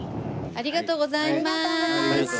ありがとうございます！